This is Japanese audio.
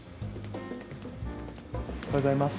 おはようございます。